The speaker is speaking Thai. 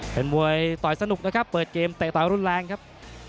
เป็นมวยต่อยสนุกนะครับเปิดเกมเตะต่อยรุนแรงครับ